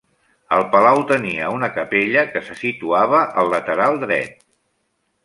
El palau tenia una capella que se situava al lateral dret.